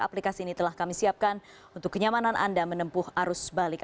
aplikasi ini telah kami siapkan untuk kenyamanan anda menempuh arus balik